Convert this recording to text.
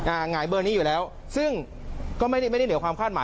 หงายเบอร์นี้อยู่แล้วซึ่งก็ไม่ได้ไม่ได้เหนือความคาดหมาย